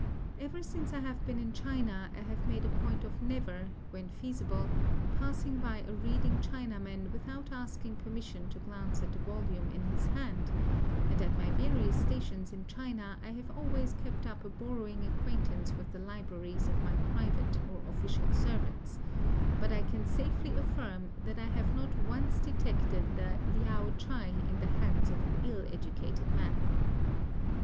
Ever since I have been in China, I have made a point of never, when feasible, passing by a reading Chinaman without asking permission to glance at the volume in his hand; and at my various stations in China I have always kept up a borrowing acquaintance with the libraries of my private or official servants; but I can safely affirm that I have not once detected the Liao Chai in the hands of an ill educated man.